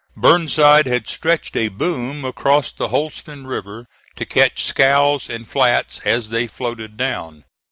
Burnside had stretched a boom across the Holston River to catch scows and flats as they floated down.